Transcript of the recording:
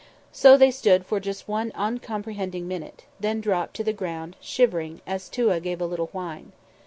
So they stood for just one uncomprehending moment; then dropped, to the ground, shivering, as Touaa gave a little whine.